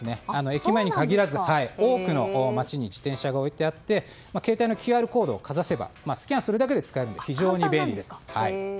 駅前に限らず多くの街に自転車が置いてあって携帯のＱＲコードをスキャンするだけで使えるので非常に便利です。